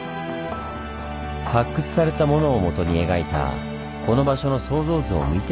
発掘されたものをもとに描いたこの場所の想像図を見てみると。